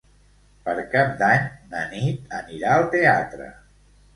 Per Cap d'Any na Nit anirà al teatre.